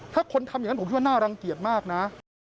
ถ้าคนทำอย่างนั้นผมคิดว่าน่ารังเกียจมากนะ